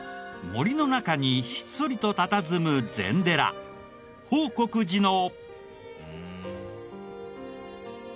森の中にひっそりとたたずむ禅寺報国寺の。